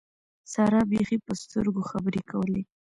سارا بېخي په سترګو خبرې کولې.